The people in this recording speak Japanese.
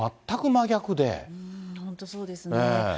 本当そうですね。